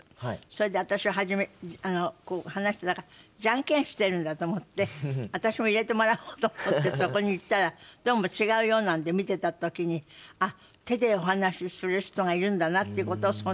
それで私ははじめジャンケンしてるんだと思って私も入れてもらおうと思ってそこに行ったらどうも違うようなので見てた時にあっ手でお話しする人がいるんだなっていうことをその時知りました。